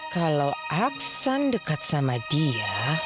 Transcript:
kalau aksan dekat sama dia